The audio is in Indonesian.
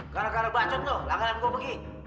gara gara bacot tuh langganan gua pergi